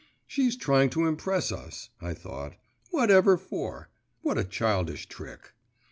… 'She's trying to impress us,' I thought; 'whatever for? What a childish trick.